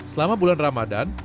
selama bulan ramadhan